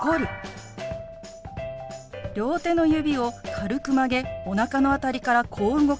両手の指を軽く曲げおなかの辺りからこう動かします。